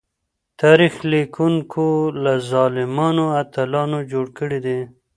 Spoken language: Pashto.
تاريخ ليکونکو له ظالمانو اتلان جوړ کړي دي.